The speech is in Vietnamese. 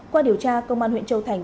qua điều tra công an huyện châu thành